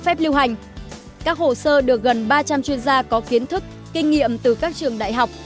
phép lưu hành các hồ sơ được gần ba trăm linh chuyên gia có kiến thức kinh nghiệm từ các trường đại học